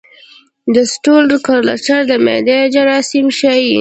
د سټول کلچر د معدې جراثیم ښيي.